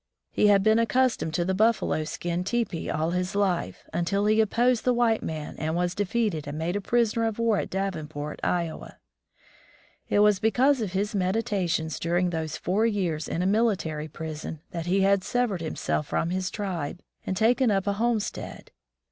He had been accustomed to the buffalo skin teepee all his life, imtil he opposed the white man and was defeated and made a prisoner of war at Davenport, Iowa. It was because of his meditations during those four years in a military prison that he had severed himself from his tribe and taken up a home stead.